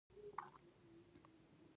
له دې امله یې ساتنه لازمه او ضروري ده.